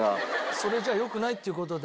それじゃ良くないっていう事で。